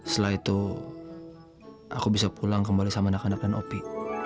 setelah itu aku bisa pulang kembali sama anak anak dan opi